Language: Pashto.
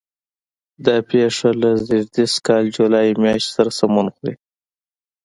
دا پېښه له زېږدیز کال جولای میاشتې سره سمون خوري.